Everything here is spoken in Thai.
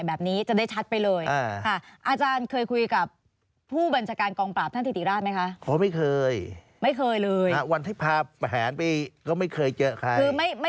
ไม่เคยค่ะไม่เคยทางข้อความ